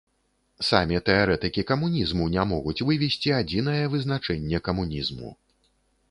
Самі тэарэтыкі камунізму не могуць вывесці адзінае вызначэнне камунізму.